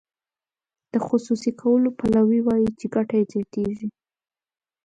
د خصوصي کولو پلوي وایي چې ګټه یې زیاتیږي.